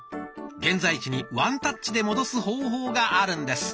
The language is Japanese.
現在地にワンタッチで戻す方法があるんです。